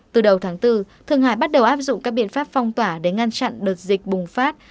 từ đầu tháng bốn thượng hải bắt đầu áp dụng các biện pháp phong tỏa để ngăn chặn đợt dịch bùng phát